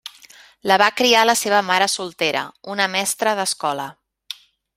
La va criar la seva mare soltera, una mestra d'escola.